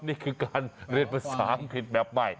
นี่คือการเรียนภาษาอังกฤษแบบใหม่